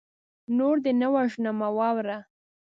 نور دې نه وژنمه واوره